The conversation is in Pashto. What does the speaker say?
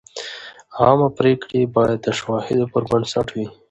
عامه پریکړې باید د شواهدو پر بنسټ وي.